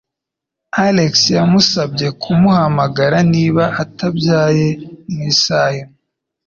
Alex yamusabye kumuhamagara niba atabyaye mu isaha imwe.